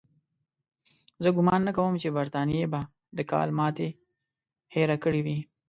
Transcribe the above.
زه ګومان نه کوم چې برټانیې به د کال ماتې هېره کړې وي.